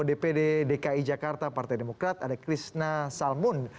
dki jakarta partai demokrat ada krisna salmun